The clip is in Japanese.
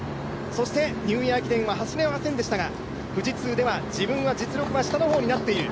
そして、ニューイヤー駅伝は走れませんでしたが富士通では自分は実力は下の方になってきている。